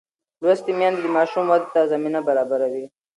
لوستې میندې د ماشوم ودې ته زمینه برابروي.